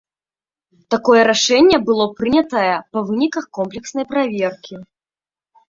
Такое рашэнне было прынятае па выніках комплекснай праверкі.